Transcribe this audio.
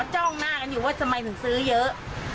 จ้องหน้ากันอยู่ว่าทำไมถึงซื้อเยอะ